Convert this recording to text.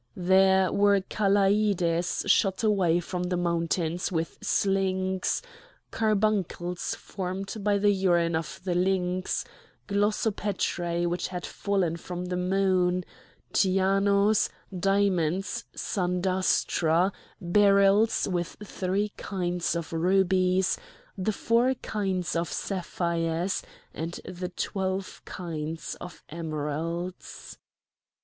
There were callaides shot away from the mountains with slings, carbuncles formed by the urine of the lynx, glossopetræ which had fallen from the moon, tyanos, diamonds, sandastra, beryls, with the three kinds of rubies, the four kinds of sapphires, and the twelve kinds of emeralds.